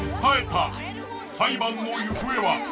裁判の行方は？